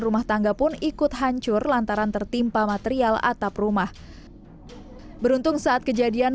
rumah tangga pun ikut hancur lantaran tertimpa material atap rumah beruntung saat kejadian